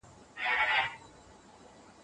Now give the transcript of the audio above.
هر واعظ وي په صفت ستونی څیرلی